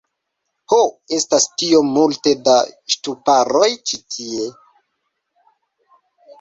Ho, estas tiom multe da ŝtuparoj ĉi tie